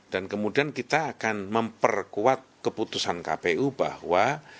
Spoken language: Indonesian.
dan kemudian kita akan memperkuat keputusan kpu bahwa